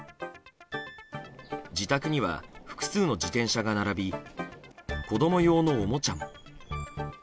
自宅には複数の自転車が並び子供用のおもちゃも。